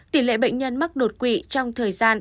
tỷ lệ bệnh nhân mắc đột quỵ trong thời gian